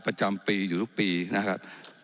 ประจำปีอยู่ทุกปีนะครับ